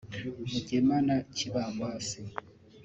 Mugemana Kibambasi